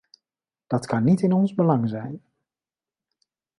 Dat kan niet in ons belang zijn.